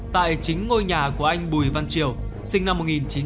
tại chính ngôi nhà của anh bùi văn triều sinh năm một nghìn chín trăm tám mươi ba